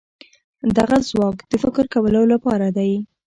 دغه ځواک د فکر کولو لپاره دی.